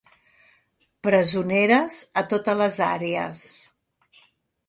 Presoneres a totes les àrees.